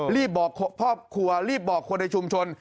รีบบอกครอบครัวรีบบอกคนในชุมชน